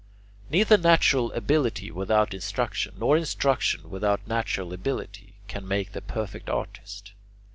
Neither natural ability without instruction nor instruction without natural ability can make the perfect artist.